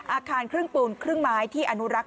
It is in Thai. อาคารครึ่งปูนครึ่งไม้ที่อนุรักษ